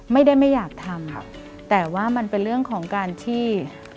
ไม่ได้ไม่อยากทำแต่ว่ามันเป็นเรื่องของการที่